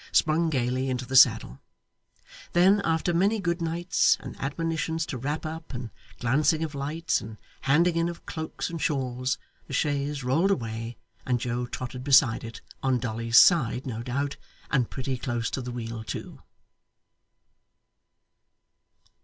sprung gaily into the saddle. Then, after many good nights, and admonitions to wrap up, and glancing of lights, and handing in of cloaks and shawls, the chaise rolled away, and Joe trotted beside it on Dolly's side, no doubt, and pretty close to the wheel too.